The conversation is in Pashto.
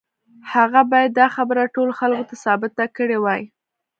هغه بايد دا خبره ټولو خلکو ته ثابته کړې وای.